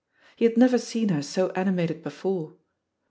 He had never seen her so animated before.